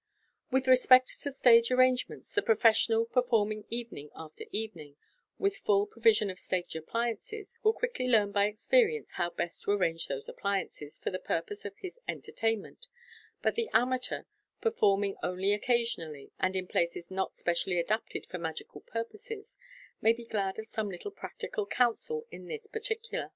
With respect to stage arrangements, the professional, performing evening after evening, with full provision of stage appliances, will quickly learn by experience how best to arrange those appliances for the purpose of his entertainment ; but the amateur, performing only occasionally, and in places not specially adapted for magical purposes, may be glad of some little practical counsel in this particular.